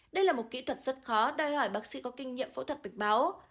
đây là một kỹ thuật rất khó đòi hỏi bác sĩ có kinh nghiệm phẫu thuật kịch báo